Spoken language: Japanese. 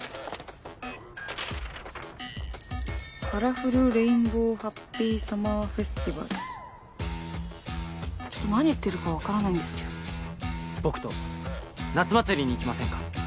カラフルレインボーハッピーサマーフェスティバルちょっと何言ってるか分からないんですけど僕と夏祭りに行きませんか？